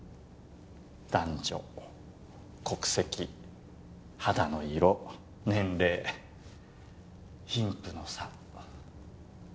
男女国籍肌の色年齢貧富の差